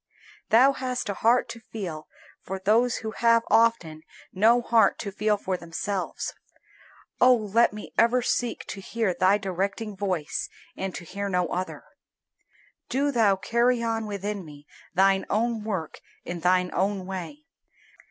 Thou hast a heart to feel for those who have often no heart to feel for themselves. Oh let me ever seek to hear Thy directing voice and to hear no other. Do Thou carry on within me Thine own work in thine own way.